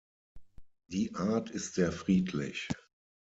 Die Art ist sehr friedlich.